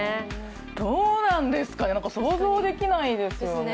どうなんですかね、想像できないですよね。